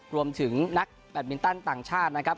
รวมถึงนักแบตมินตันต่างชาตินะครับ